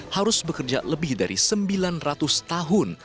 harus bekerja lebih dari sembilan ratus tahun